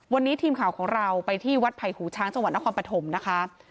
วันนี้ทีมข่าวของเราไปที่วัดไผ่หูช้างจังหวัดนครปฐมนะคะ